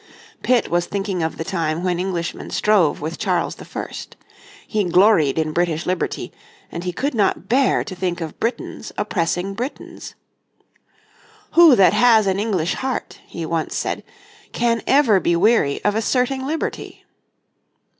Pitt was thinking of the time when Englishmen strove with Charles I. He gloried in British liberty, and he could not bear to think of Britons oppressing Britons. "Who that has an English heart," he once said, "can ever be weary of asserting liberty?"